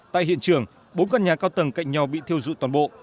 tại hiện trường bốn căn nhà cao tầng cạnh nhau bị thiêu dụi toàn bộ